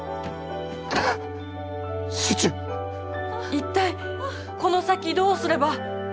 一体この先どうすれば。